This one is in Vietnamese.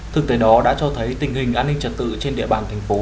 thực tế đó đã cho thấy tình hình an ninh trật tự trên địa bàn thành phố